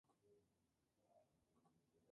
No fue lanzada como sencillo.